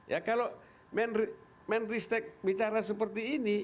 ya kalau menristek bicara seperti ini